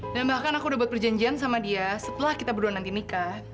dan bahkan aku udah buat perjanjian sama dia setelah kita berdua nanti nikah